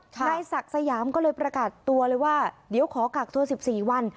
นายศักดิ์สยามก็เลยประกาศตัวเลยว่าเดี๋ยวขอกากตัว๑๔วัน